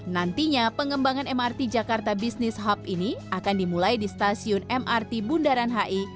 nantinya pengembangan mrt jakarta business hub ini akan dimulai di stasiun mrt bundaran hi